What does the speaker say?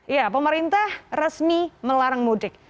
ya pemerintah resmi melarang mudik